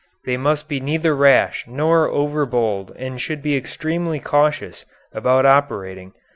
They must be neither rash nor over bold and should be extremely cautious about operating.